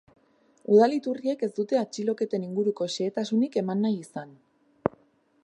Udal iturriek ez dute atxiloketen inguruko xehetasunik eman nahi izan.